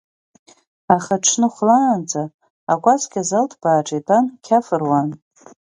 Аха аҽны хәлаанӡа акәасқьа азал ҭбааҿы итәаны қьаф руан.